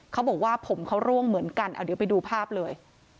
เขาบอกว่าผมเขาร่วงเหมือนกันเอาเดี๋ยวไปดูภาพเลย